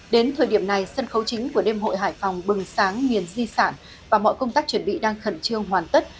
đến thời điểm này sân khấu chính của đêm hội hải phòng bừng sáng nghiền di sản và mọi công tác chuẩn bị đang khẩn trương hoàn tất